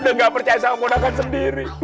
udah gak percaya sama modakan sendiri